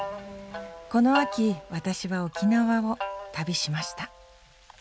この秋私は沖縄を旅しました。